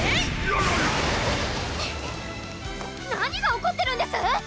ラララ何が起こってるんです？